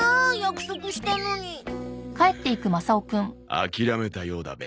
諦めたようだべ。